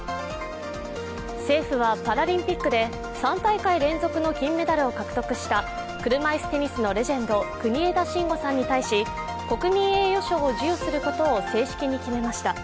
政府は、パラリンピックで３大会連続の金メダルを獲得した車いすテニスのレジェンド、国枝慎吾さんに対し国民栄誉賞を授与することを正式に決めました。